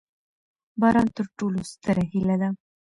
باران تر ټولو ستره هیله ده.